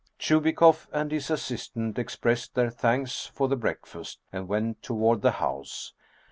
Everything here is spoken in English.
Chubikoff and his assistant expressed their thanks for the breakfast, and went toward the house.